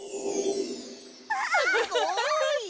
すごい！